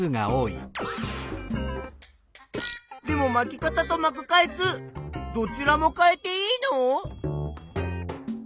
でもまき方とまく回数どちらも変えていいの？